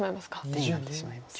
手になってしまいます。